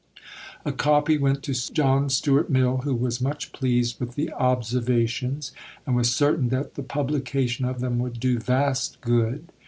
A copy went to John Stuart Mill, who was much pleased with the "Observations," and was certain that "the publication of them would do vast good."